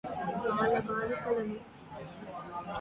బాల బాలికలను